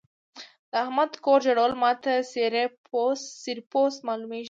د احمد کور جوړول ما ته څيرې پوست مالومېږي.